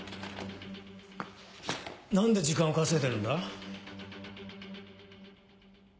何で時間を稼いでるんだ？